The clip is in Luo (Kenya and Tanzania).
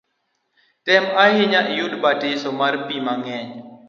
Tem ahinya iyud batiso mar pi mang’eny